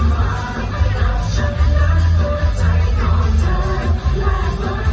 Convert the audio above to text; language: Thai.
ว่าไม่รักฉันรักหัวใจของเธอแรกกว่าต่อโอ้โฮ